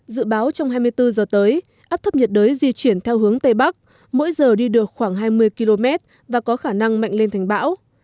dự báo trong hai mươi bốn giờ tới áp thấp nhiệt đới di chuyển theo hướng tây bắc mỗi giờ đi được khoảng hai mươi km và có khả năng mạnh lên thành bão